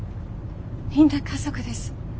みんな家族です。